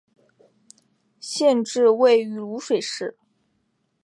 县治位于漯水市。